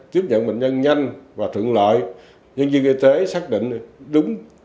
tiếp nhận bệnh nhân nhanh và trượng loại nhân dân y tế xác định đúng